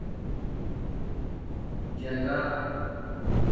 جاگہ